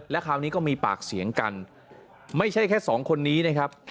คราวนี้ก็มีปากเสียงกันไม่ใช่แค่สองคนนี้นะครับ